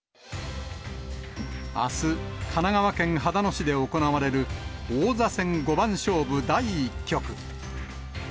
あす、神奈川県秦野市で行われる王座戦五番勝負第１局。